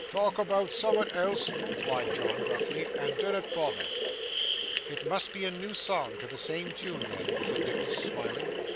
'Talk aboot soom'at else,' replied John, gruffly, 'and dinnot bother.' 'It must be a new song to the same tune then,' said Nicholas, smiling.